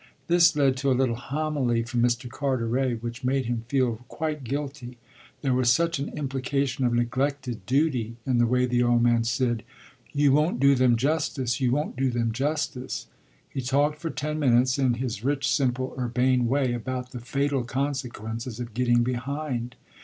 This led to a little homily from Mr. Carteret which made him feel quite guilty; there was such an implication of neglected duty in the way the old man said, "You won't do them justice you won't do them justice." He talked for ten minutes, in his rich, simple, urbane way, about the fatal consequences of getting behind.